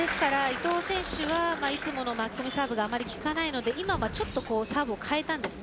伊藤選手は、いつものナックルサーブがあまり効かないので今はちょっとサーブを変えたんです。